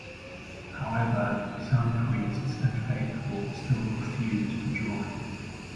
However, some priests and faithful still refused to join.